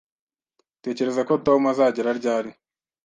Utekereza ko Tom azagera ryari?